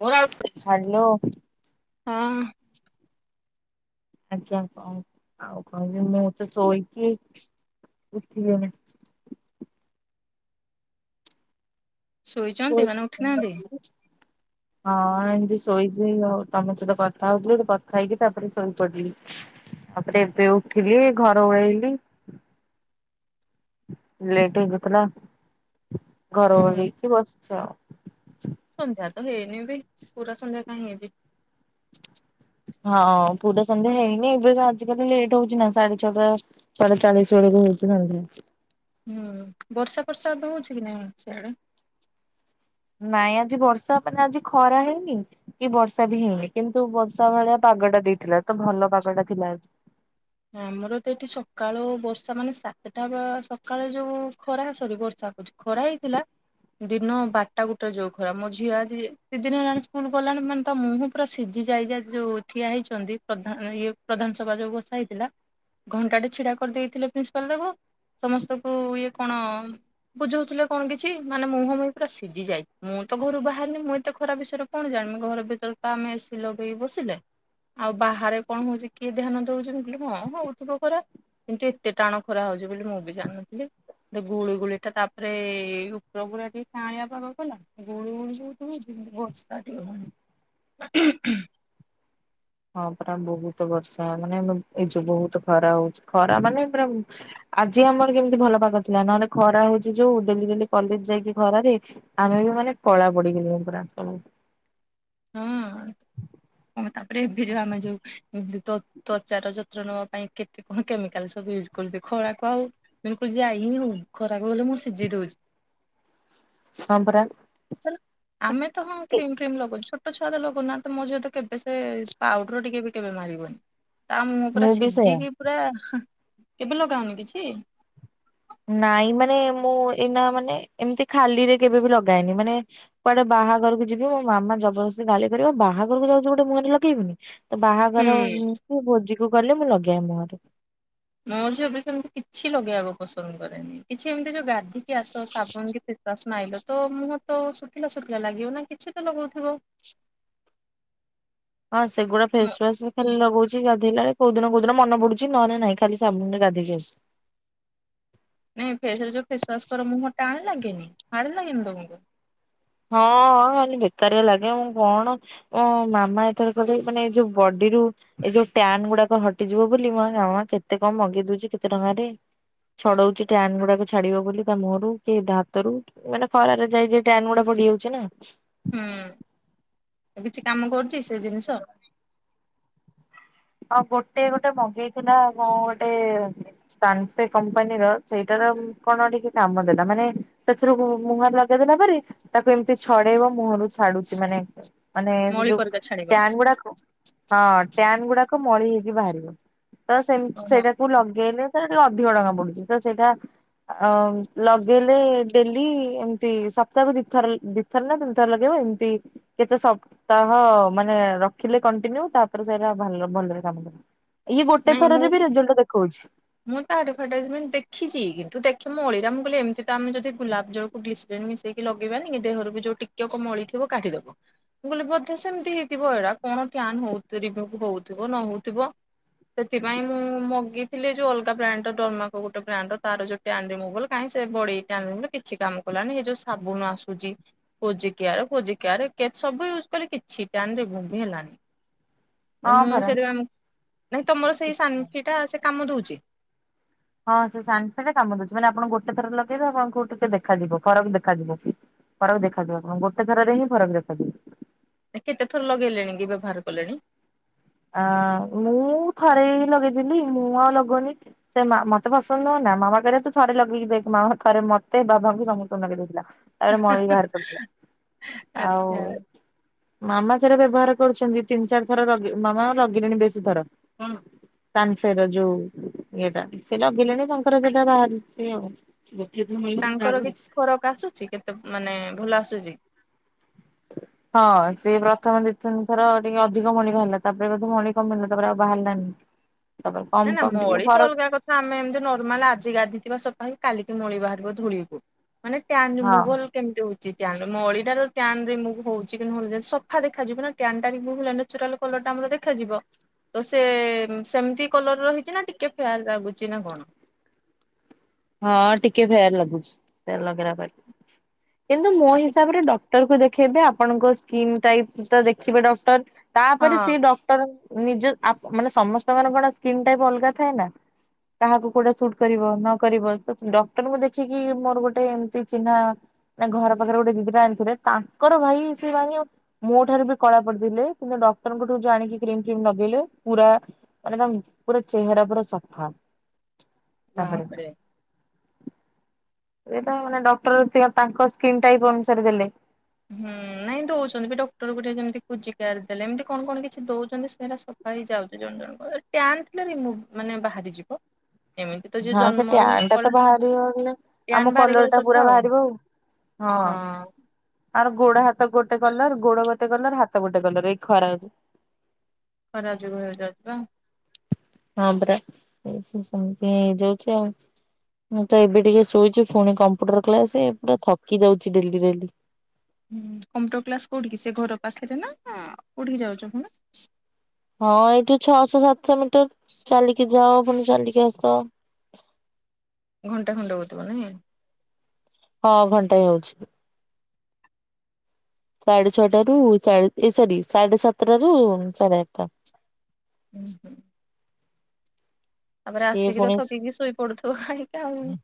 [unintelligible] Hello. ହଁ। [unintelligible] ଆଉ କହିଲେ ମୁଁ ତ ଶୋଇଚି। ଉଠ। ଶୋଇଛନ୍ତି ମାନେ ଉଠି ନାହାନ୍ତି? [unintelligible] ହଁ ଏମିତି ଶୋଇଛି ଆଉ ତମ ସହିତ କଥା ହଉଥିଲ କଥା ହେଇକି ତାପରେ ଶୋଇପଡିଲି। ତାପରେ ଏବେ ଉଠିଲି ଘର ଓଳେଇଲି। ଲେଟ୍ ହେଇଯାଇଥିଲା ଘର ହୁଁ ହେଇକି ବସିଛି ଆଉ। ସନ୍ଧ୍ୟା ତ ହେଇନି ବି ପୁରା ସନ୍ଧ୍ୟା କାହିଁ ହେଇଛି। ହଁ ପୁରା ସନ୍ଧ୍ୟା ହେଇନି ଏବେ ଆଜିକାଲି ଲେଟ୍ ହଉଛି ନା ସାଢେ ଛଅଟା। ଛଟାଚାଳିଶ ବେଳେକୁହେଉଛି। ହୁଁ ବର୍ଷା ପ୍ରର୍ଷା ତ ହଉଛି କି ନାହି ସେଆଡେ? ନାଇଁ ଆଜି ବର୍ଷା ହେ ପାଇଁ ଆଜି ଖରା ହେଇନି। କି ବର୍ଷା ବି ହେଇନି କିନ୍ତୁ ବର୍ଷା ଭଳିଆ ପାଗଟା ଦେଇଥିଲା ତ ଭଲ ପାଗ ଟା ଥିଲା। ଆମର ତ ଏଠି ସକାଳୁ ବର୍ଷା ମାନେ ସାତଟା ସକାଳୁ ଯୋଉ ଖରା ସରି ବର୍ଷା। ଖରା ହେଇଥିଲା। ଦିନ ବାରଟା ଗୋଟୋ ଯୋଉ ଖରା ମୋ ଝିଅ ଦ ଦିନ ହେଲାଣି ସ୍କୁଲ ଗଲାଣି ମାନେ ତା ମୁହଁ ପୁରା ସିଝି ଯାଇା ଯୋଉ ଠିଆ ହେଇଛନ୍ତି ପ୍ରଧାନ ଇଏ ପ୍ରଧାନ ସଭା ଯୋଉ ଗୋଷା ହେଇଥିଲା। ଘଣ୍ଟାଟେ ଛିଡା କରିଦେଇଥିଲେ ପ୍ରିନ୍ସିପାଲ ତାକୁ ସମସ୍ତଙ୍କୁ ଇଏ କଣ ବୁଝଉଥିଲେ କଣ କିଛି ମାନେ ମୁହଁ ମୁହି ପୁରା ସିଝି ଯାଇଛି ମୁଁ ତ ଘରୁ ବାହାରିଲି ମୁଁ ଏତେ ଖରା ବିଷୟରେ। କଣ ଜାଣମି ଘର ଭିତରେ କମେ ଏସି ଲଗେଇକି ବସିଲେ। ଆଉ ବାହାରେ କଣ ହଉଛି କିଏ ଧ୍ୟାନ ଦଉଛି କହିଲୁ ହଁ ହଉଥିବ ଖରା। କିନ୍ତୁ ଏତେ ଟାଣ ଖରା ହଉଛି ବୋଲି ମୁଁ ବି ଜାଣିନଥିଲି। ତ ଗୁଳିୁ ଗୁଳି ଟା ତାପରେ ଉପର ଉପରେ ଟିକେ ଛାଣିବା ପାଗ ଗଲା। ଗୁଳୁ ଗୁଳିଟା ହେଉଛି ବର୍ଷା ହେଉନି। ହଁ ପରା ବହୁତ ବର୍ଷା ମାନେ ଏଇ ଯୋଉ ବହୁତ ଖରା ହଉଛି ଖରା ମାନେ ପୁରା ଆଜି ଆମର କେମିତି ଭଲ ପାଗ ଥିଲା ନହେଲେ ଖରା ହଉଛି ଯୋଉ ଡେଲି ଡେଲି କଲେଜ ଯାଇକି ଖରାରେ ଆମେ ବି ମାନେ କଳା ପଡି ଗୁଲୁ ପୁରା। ହଁ ହମ ତାପରେ ଭେଜମ ଯାଉ। ଏତି ତ୍ୱଚାର ଯତ୍ନ ନବା ପାଇଁ କେତେ କଣ କେମିକାଲ ସବୁ ୟୁଜ୍ କରୁଛି ଖରାକୁ ଆଉ। ବିଲ୍କୁଲ ଯାଇନି ମୁଁ ଖରାକ ଗଲେ ମୁଁ ସିଝେଇ ଦଉଛି। ହଁପରା। ଲେ ଆମେ ତ ହଁ କ୍ରିମ ଫ୍ରିମ ଲଗାଉଛ। ଛୁଆ ତ ଲଗୁନା ତ ମୋ ସତ କେବେ ସେ ପାଉଡର ଟିକେ ବି କେବେ ମାରିବନି। ତା ମୁଁ ପୁରା ବି ସେଇୟା ସିଝିକି ପୁରା କେବେ ଲଗାଉନି କିଛି। ନାଇଁ ମାନେ ମୁଁ ଏଇନା ମାନେ ଏମିତି ଖାଲିରେ କେବେ ବି ଲଗାଏନି ମାନେ କୁଆଡେ ବାହାଘରକୁ ଯିବି ମୋ ମାମା ଜବରଦସ୍ତି ଗାଳି କରିବ ବାହାଘରକୁ ଯାଉଛିି ଗୋଟେ ମୁହଁରେ ଲଗେଇବନି। ତ ବାହାଘର ଭୋଜି କୁଗଲେ ଲଗେଇବ ମୁହଁରେ। ମୋ ଝିଅ ବି ସେମିତି କିଛି ଲଗେଇବାକୁ ପସନ୍ଦ କରେନି କିଛି ଏମିତି ଗାଧିଇ କି ଆସ ସାବୁନ କି ଫେସୱାସ ମାଇଲ ତ ମୁହଁ ତ ସୁୁଖୀଲା ସୁଖୀଲା ଲାଗିବ ନା କିଛି ତ ଲଗଉଥିବ। ହଁ ସେଗୁଡା ମୋ ଫେସୱାସ। ଖାଲି ଲଗଉଛି ଗାଧେଇଲା କୋଉ ଦିନ କୋଉ ଦିନ ମନ ପଡୁଛି ନହେଲେ ନାଇଁ ଖାଲି ସାବୁନରେ ଗାଧୋଇକି ଆସୁଛି। ନାଇଁ ଫେସରେ ଯୋଉ ଫେସୱାସ କର ମୁହଁ ଟାଣି ଲାଗେନି ହାଡେ ଲାଗେନି ତମକୁ? ହଁ କାଲି ବେକାରିଆ ଲାଗେ ମୁଁ କଣ ଓହୋ ମାମା ଏଥର କହିଲେ ମାନେ ଯୋଉ ବଡିରୁ ଏଇ ଯୋଉ ଟ୍ୟାନ ଗୁଡାକ ହଟିଯିବ ବୋଲି ମୁଁ ଜମା କେତେ କଣ ମଗେଇ ଦଉଛି କେତେ ଟଙ୍କାରେ। ଛଡଉଛି ଟ୍ୟାନ୍ ଗୁଡାକ ଛାଡିବ ବୋଲି ତା ମୁହଁରୁ କି ହାତରୁ। ବଡିଯାଉଛି ନା। ହୁଁ କିଛି କାମ କରୁଛି ସେ ଜିନିଷ? ଆଉ ଗୋଟେ ଗୋଟେ ମଗେଇଥିଲା କଣ ଗୋଟେ? ସାନସେ କମ୍ପାନୀର ସେଇଟାର କଣ ଟିକେ କାମ ଦେଲା ମାନେ ମୁହଁରେ ଲଗେଇଦେଲା ପରେ ତାକୁ ଏମିତି ଛଡେଇବ ମୁହଁରୁ ଛାଡୁଛି ମାନେ ମାନେ ସେ ମଳି ଯୋଉ ପରିକା ଛାଡିବ ଟ୍ୟାନ ଗୁଡାକ ହଁ ଟ୍ୟାନ ଗୁଡାକ ମଳି ହେଇକି ବାହାରିବ ତ ସେମି ଓହୋ ସେଇଟାକୁ ଲଗେଇଲେ ସେତିକି ଅଧିକ ଟଙ୍କା ପଡୁଛି ତ ସେଇଟା ଆଉ ଲଗେଇଲେ ଡେଲି ଏମତି ସପ୍ତାହକୁ ଦିଥର ଦି ଥରେନା ତିନି ଥର ଏମିତି ଥର ଲଗେଇବ ଏମିତି କେତେ ସପ୍ତାହ ମାନେ ରଖିଲେ କଣ୍ଟିନ୍ୟୁ ତାପରେ ସେଇଟା ଭଲ ଭଲରେ କାମ କର ଇଏ ଗୋଟେ ନାଇଁ ମୁଁ ଥରରେ ବି ରେଜଲ୍ଟ ଦେଖଉଛି ମୁଁ ତା ଆଡଭରଟାଇଜମେଣ୍ଟ ଦେଖିଛି କିନ୍ତୁ ଦେଖେ ମୁଁ ଅଳିରା ମୁ କହିଲେ ଏମିତି ତ ଆମେ ଯଦି ଗୁଲାପ ଜଳ ଗ୍ଲିସେରିନ୍ ମିଶେଇକି ଲଗେଇବାନି ଦେହରୁ ବି ଯୋଉ ଟିକେକ ମଳି ଥିବ କାଢିଦବ ମୁଁ କହିଲି ବୋଧେ ସେମିତି ହେଇଥିବ ଏଇଟା କଣ କନ୍ ରୀମୁଭ ହଉଥିବ ନ ହଉଥିବ ସେଥିପାଇଁ ମୁଁ ମଗେଇ- ଥିଲେ ଯୋଉ ଅଲଗା ବ୍ରାଣ୍ଡ [unintelligible] କିଛି କାମ କଲାନି ଏ ଯୋଉ ସାବୁନ ଆସୁଛି ପୋଜିକିଆର ଫୋଜିକିଆର ସବୁ ୟୁଜ କଲି କିଛି ଟା କେଜାଣି ରିମୁଭ ବି ହେଲାନି ହଁ ମୁଁ ପରା। ସେଥିପାଇଁ ନାଇଁ ତମର ସେଇ ସାନିକିଟା ସେ କାମ ଦଉଛି ହଁ ସେ ସାଙ୍ଗେ ସାଙ୍ଗେ କାମ ଦଉଛି ମାନେ ଆପଣ ଗୋଟେ ଥର ଲଗେଇବେ ଆପଣଙ୍କୁ ଟିକେ ଦେଖାଯିବ ଫରକ ଦେଖାଯିବ ଫରକ ଦେଖାଯିବ ଗୋଟେ ଥରରେ ହିଁ ଫରକ୍ ଦେଖାଯିବ କେତେ ଥର ଲଗେଇଲେଣି କି ବ୍ୟବହାର କଲେଣି ଆଁ ମୁଁ ଥରେ ହିଁ ଲଗେଇଥିଲି ମୁଁ ଆଉ ଲଗଉନି ସେ ମୋତେ ପସନ୍ଦ ନୁହଁ ନା ମାମା କହିଲେ ତୁ ଥରେ ଲଗେଇକି ଦେଖ ମାମା ଥରେ ମୋତେ ବାବାଙ୍କୁ ସମସ୍ତଙ୍କୁ ଲଗେଇ ଦେଇଥିଲା ତାପରେ ମଳି ବାହାର କରୁଥିଲା ଆଉ ଆଚ୍ଛା ମାମା ସେଟା ବ୍ୟବହାର କରୁଛନ୍ତି ତିନି ଚାରି ଥର ମାମା ଲଗେଇଲେଣି ବେଶୀ ଥର ହୁଁ ସାନସାଇ ର ଯୋଉ ଇଏଟା ସେ ଲଗେଇଲେଣି ତାଙ୍କର ସେଟା ବାହାରିଛି ଆଉ [unintelligible] ତାଙ୍କର କିଛି ଫରକ ଆସୁଛି କେତେ ମାନେ ଭଲ ଆସୁଛି ହଁ ସିଏ ପ୍ରଥମେ ଦି ତିନି ଥର ଟିକେ ଅଧିକ ମଳି ବାହାରିଲା ତାପରେ ବୋଧେ ମଳି କମିଲା ତାପରେ ଆଉ ବାହାରିଲାନି [inaudible] ନାଇଁ ନା କମ ଟିକେ ମଳି ତ ଫରକ ଅଲଗା କଥା ଆମେ ଏମିତି ନର୍ମାଲ ଆଜି ଗାଧେଇଥିବା ସଫାହେଇକି କାଲିକି ମଳି ବାହାରିବ ଧୂଳିକୁ ମାନେ ଟ୍ୟାନ ହଁ ମୁଗୁଲ କେମିତି ହଉଛି ଟ୍ୟାନରେ ମଳିଟା ର ଟ୍ୟାନ ରେ ମୁଁ ହଉଛି କି ନହଉ ସଫା ଦେଖାଯିବ ନା ଟ୍ୟାନ ଟାକୁ ନେଚୁରାଲ କଲର ଟା ଆମର ଦେଖାଯିବ ତ ସେ ସେମିତି କଲର ରହିଛି ନା ଟିକେ ଫେଏରା ଲାଗୁଛି ନା କଣ ହଁ ଟିକେ ଫେଏରା ଲାଗୁଛି ଫେଏରା ଲଗେଇଲା ପରେ କିନ୍ତୁ ମୋ ଆଉ ଟି- ହିସାବରେ ତାକୁ ଦେଖେଇବେ ଆପଣଙ୍କ ସ୍କିନ୍ ଟାଇପ ତ ଦେଖିବେ ଡକ୍ଟର ହଁ ତାପରେ ସେ ନିଜ ମାନେ ସମସ୍ତଙ୍କର କଣ ସ୍କ୍ରିନ୍ ଟାଇପ ଅଲଗା ଥାଏ ନା କାହାକୁ କୋଉଟା ସୁଟ୍ କରିବ ନକ କରିବ ତ ଡକ୍ଟରଙ୍କୁ ଦେଖିକି ମୋର ଗୋଟେ ଏମତି ଚିହ୍ନା ତାଙ୍କର ଘର ପାଖରେ ଗୋଟେ ଦିଦିଟା ଆଣିଥିଲେ ତାଙ୍କର ଭାଇ ସେ ଭାଇ ମୋ ଠାରୁ ବି କଳା ପଡିଥିଲେ କିନ୍ତୁ ଡକ୍ଟରଙ୍କଠୁ ଜାଣିକି କ୍ରିମ ଫ୍ରିମ ଲଗେଇଲେ ପୁରା ମାନେ ତାଙ୍କ ପୁରା ଚେହେରା ପୁରା ସଫା। ତାପରେ ବାପ୍ ରେ। ସିଏ ତାଙ୍କ ମାନେ ଡକ୍ଟର ତାଙ୍କ ସ୍କିନ୍ ଟାଇପ ଅନୁସାରେ ଦେଲେ। ହୁଁ ନାଇଁ ଦଉଛନ୍ତି ବି ଡକ୍ଟର କୁ ଟିକେ ଯେମିତି ଖୋଜିକାର ଦେଲେ ଏମିତି କଣ କଣ କିଛି ଦଉଛନ୍ତି ସେଇଟା ସବୁ ହେଇଯାଉଛି ଜଣ ଜଣଙ୍କର ଟ୍ୟାନ ଟା ରିମୁଭ୍ ମାନେ ବାହାରିଯିବ। ଏମିତି ତ ଯେ ହଁ ସେ ଜନ୍ମରୁ ଟ୍ୟାନ୍ ଟା ତ କଳା ବାହାରିବନି ଆମ ଟ୍ୟାନ କଲର ବାହାରିଗଲେ ଟା ପୁରା ସଫା ଆଉ ବାହାରିବ ହଁ। ତାର ଗୋଡ ହାତ ଗୋଟେ କଲର ଗୋଡ ଗୋଟେ କଲର ହାତ ଗୋଟେ କଲର ଏଇ ଖରାକୁ। ଖରା ଯୋଗୁ ହେଇଯାଉଚି ପା। ହଁ ପରା ଏ ସେମତି ହେଇଯାଉଛି ଆଉ। ମୁଁ ତ ଏବେ ଟିକେ ଶୋଇଛି ପୁଣି କମ୍ପୁଟର କ୍ଲାସ ପୁରା ଥକି ଯାଉଛି ଡେଲି ଡେଲି। ହୁଁ କମ୍ପ୍ୟୁଟର କ୍ଲାସ କୋଉଠି କି ସେ ଘର ପାଖରେ ନା କୋଉଠି କି ଯାଉଚ କହ ନା? ହଁ ଏଇଠୁ ଛଅଶହ ସାତଶହ ମିଟର ଚାଲିକି ଯାଅ ପୁଣି ଚାଲିକି ଆସ। ଘଣ୍ଟା ଖଣ୍ଟେ ହଉଥିବ ନାଇଁ। ହଁ ଘଣ୍ଟାଏ ହଉଚି। ସାଢେ ଛଅଟ ରୁ ଏ ସରି ସାଢେ ସାତଟାରୁ ସାଢେ ଆଠଟା। ହୁଁ ହୁଁ। ତାପରେ ସିଏ ଆସିକି ତ ପୁଣି ଠକିକି ତ ଶୋଇ ପଡୁଥିବ [unintelligible]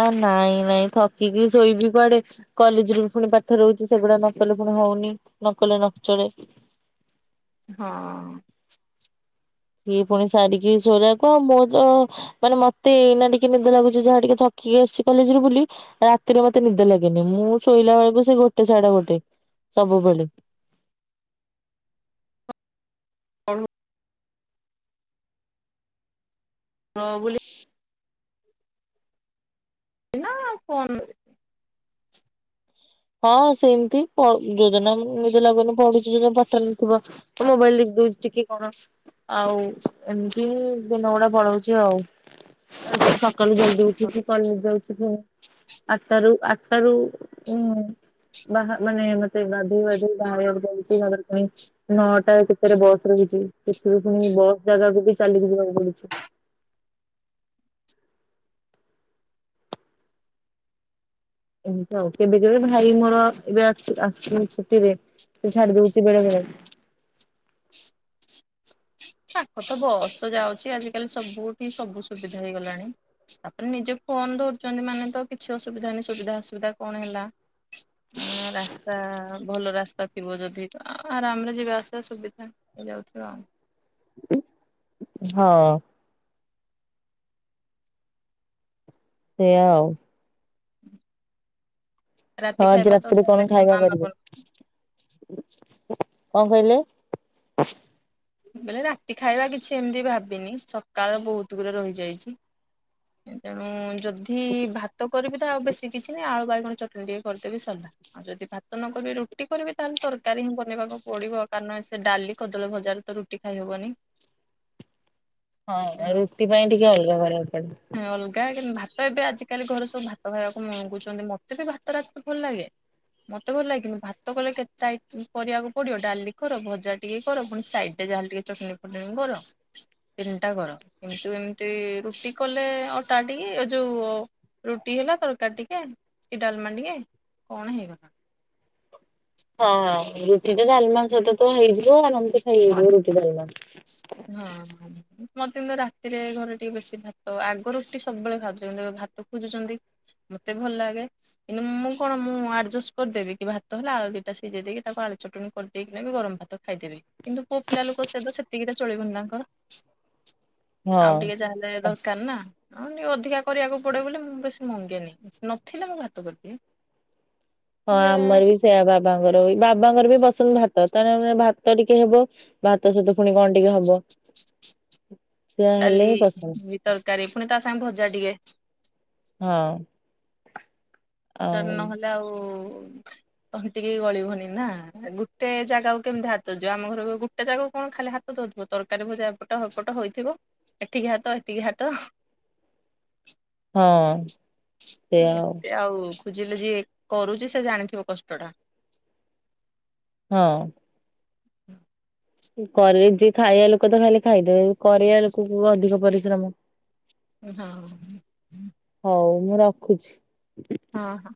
ଆ ନାଇଁ ନାଇଁ ଥକିିକି ଶୋଇ ବିି ପଡେ। କଲେଜରୁୁ ପୁଣି ପାଠ ରହୁଛି ସେଗୁଡା ନକଲେ ପୁଣି ହଉନି ନ କଲେ ନଚଳେ। ହଁ। ଇଏ ପୁଣି ସାରିକି ଶୋଇଲା ଅଳକୁ ଆମ ଯ ମାନେ ମତେ ଏଇନା ଟିକେ ନିଦ ଲାଗୁଛି ଯାହା ଟିକେ ଥକିକି ଆସିଚି କଲେଜରୁ ବୋଲି ରାତିରେ ମତେ ନିଦ ଲାଗେନି ମୁଁ ଶୋଇଲା ବେଳକୁ ସେ ଗୋଟେ ସଢା ଗୋଟେ ସବୁବେଳେ। କହୁ ହଁ ବୋଲି। ଏନା ଫୋନ୍ ହଁ ସେମିତି ପ ଯୋଉ ଦିନ ନିଦ ଲାଗୁନି ପଢୁଛି ଯୋଉ ଦିନ ପାଠ ନଥିବ। ମୋବାଇଲ ଦେଖି ଦଉଚି ଟିକେ କଣ। ଆଉ ଏମିତି ଦିନ ଗୁଡା ପଳଉଚି। ଆ ସକାଳୁ ଜଲ୍ଦୀ ଉଠିକି କଲେଜ ଯାଉଛି ପୁଣି। ଆଠଟାରୁ ଆଠଟାରୁ ହୁଁ। ବାହା ମାନେ ମତେ ଗାଧେଇ ବାଧେଇ ବାହାରିବାକୁ ପଡୁଛି ତାପରେ ପୁଣି ନଅଟା କେତୋରେ ବସ୍ ରହିଛି ସେଥିରୁ ପୁଣି ବସ୍ ଜାଗାକୁ ବି ଚାଲିକି ଯିବାକୁ ପଡୁଚି। ଏମିତି ଆଉ କେବେ କେବେ ଭାଇ ମୋର ଏବେ ଅଛି ଆସିଚି ଛୁଟିରେ। ସିଏ ଛାଡି ଦଉଚି ବେଳେ ବେଳେ। ପାଖ ତ ବସ୍ ତ ଯାଉଛି ଆଜିକାଲି ସବୁଠିକି ସବୁ ସୁବିଧା ହେଇଗଲାଣି। ତାପରେ ନିଜେ ଫୋନ ଧରୁଛନ୍ତି ମାନେ ତ କିଛି ଅସୁବିଧା ନାଇଁ ସୁବିଧା ଅସୁବିଧା କଣ ହେଲା? ଆଁ ରା ତା ଭଲ ରାସ୍ତା ଥିବ ଯଦି ଆରାମରେ ଯିବା ଆସିବା ସୁବିଧା ହେଇଯାଉଥିବ ଆଉ। ହଁ। ସେୟା ଆଉ। ହୁଁ। ହଁ ଆଜି ରାତିରେ କଣ ଖାଇବା ମାମା କରିବେ କଣ କହିଲେ? ବୋଇଲେ ରାତି ଖାଇବା କିଛି ଏମିତି ଭାବିନି ସକାଳ ବହୁତ ଗୁରେ ରହିଯାଇଚି। ତେଣୁ ଯଦି ଭା ତ କରିବି ତା ଆଉ ବେଶ କିଛି ନାହିଁ ଆଳୁ ବାଇଗଣ ଚଟଣି ଟିକେ କରିଦେବି ସଇଲା। ଆଉ ଯଦି ଭାତ ନ କରିବି ରୁଟି କରିବି ତାହେଲେ ତରକାରୀ ହିଁ ବନେଇବାକୁ ପଡିବ କାରଣ ସେ ଡାଲି କଦଳୀ ଭଜା ତ ରୁଟି ଖାଇହବନି। ହଁ ତେଣୁ ରୁଟି ପାଇଁ ଟିକେ ଅଲଗା କରିବାକୁ ପଡେ। ଅଲଗା କିନ୍ତୁ ଭାତ ତ ଏବେ ଆଜିକାଲି ଘରେ ସବୁ ଭାତ ଖାଇବାକୁ ମଗୁଛନ୍ତି ମତେ ବି ଭାତ ରାତିିରେ ଭଲ ଲାଗେ। ମତେ ଭଲ ଲାଗିନି ଭାତ କଲେ କେତେ ଆଇ କରିବାକୁ ପଡିବ ଡାଲି ଖ ଭଜା ଟିକେ ଖ ପୁଣି ସାଇଡ ଯାହାଲ ଟିକେ ଚଟୀ ପଟେଇନି କର। ତିନିଟା କର କିନ୍ତୁ ଏମିତି ରୁଟି କଲେ ଅଟା ଟିକେ ଏ ଯୋଉ ରୁଟି ହେଲା ତରକାରୀ ଟିକେ କି ଡାଲମା ଟିକେ କଣ ହେଇଗଲା। ହଁ ରୁଟି ତ ଡାଲମାଂ ସହିତ ତ ହେଇଯିବ ଆରମତି ଖାଇ ହେଇଯିବ ରୁଟି ଡାଲମାସ ହଁ। ମ ଦ ତ ରାତିରେ ଘରେ ଟିକେ ବେଶୀ ଭାତ ଆଗ ରୁଟି ସବୁବେଳେ ଖାଉଛନ୍ତି ଭାତ ଖୋଜୁଛନ୍ତି। ମତେ ଭଲ ଲାଗେ। କିନ୍ତୁ ମୁଁ କଣ ମୁଁ ଆଡଜଷ୍ଟ କରିଦେବି କି ଭାତ ହେଲା ଆଳୁଟା ସିଝେଇ ଦେଇକି ତାକୁ ଆଳୁ ଚଟଣି କରିଦେବି। ସେ ବି ଗରମ ଭାତ ଖାଇଦେବ କିନ୍ତୁ ପୁଅ ପିଲା ଲୋକ ସହି ସେତିକି ଚଳିବନି ତାଙ୍କର ଆଉ ହଁ। ଟିକେ ଯାହାହେଲେ ଦ କାନା ଆଉ ଅଧିକା କରିବାକୁ ପଡେ ବୋଲି ମୁଁ ବେଶୀ ମଙ୍ଗେନି। ନଥିଲା ମୁଁ ଭାତ କରିଦିଏ। ହଁ ହେଲେ ଆମର ବି ସେୟା ବାବାଙ୍କର ବି, ବାବାଙ୍କର ବି ପସନ୍ଦ ଭାତ ତେଣେ ଭାତ ଟିକେ ହବ। ଭାତ ସହିତ ପୁଣି କଣ ଟିକେ ହବ। ସେଇୟା ଡାଲି ହେଲେ ହିଁ ପସନ୍ଦ। ବି ତରକାରୀ ପୁଣି ତା ସାଙ୍ଗେ ଭଜା ଟିକେ ହଁ। ତରକାରୀ ଆଉ ନହେଲେ ଆଉ ତହଣ୍ଟିିକି ଗଳିବନି ନା, ଗୋଟେ ଜାଗାକୁ କେମିତି ହାତ ଯିବ, ଆମ ଘର ଲୋ ଏଟେ ଯାକକୁ କଣ ଖାଲି ହାତ ଦଉଥିବ, ତରକାରୀ ଭଜା ଏପଟ ହଇପଟ ହେଇଥିବ ଏଠିକି ହାତ ଏଠିକି ହାତ ହଁ ସେୟ ଆଉ। ଏତେ ଆଉ ଖୋଜିଲେ ଯିଏ କରୁଛି ସେ ଜାଣିଥିବ କଷ୍ଟ ଟା। ହଁ। କରିବି ଯିଏ ଖାଇବା ଲୋକ ତ ଖାଲି ଖାଇଦେବେ, କରିବା ଲୋକକୁ ଅଧିକ ପରିଶ୍ରମ। ହଁ। ହଉ ମୁଁ ରଖୁଛି। ହଁ ହଁ।